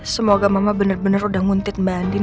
semoga mama bener bener udah nguntit mbak andin